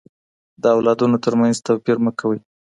د اولادونو تر منځ توپير مه کوئ.